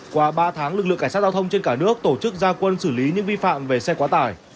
qua ba tháng lực lượng cảnh sát giao thông trên cả nước tổ chức gia quân xử lý những vi phạm về xe quá tải